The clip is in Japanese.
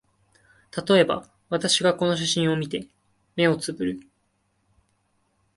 たとえば、私がこの写真を見て、眼をつぶる